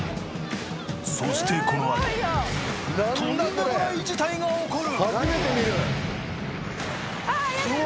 そしてこのあととんでもない事態が起こる！